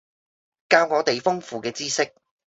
教我哋豐富嘅知識